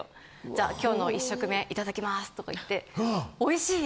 「じゃあ今日の１食目いただきます」とか言って「美味しい！！」